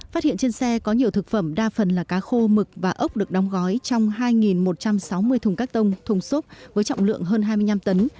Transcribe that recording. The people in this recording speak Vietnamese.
phát hiện trên xe có nhiều thực phẩm đa phần là cá khô mực và ốc được đóng gói trong hai một trăm sáu mươi thùng các tông thùng xốp với trọng lượng hơn hai mươi năm tấn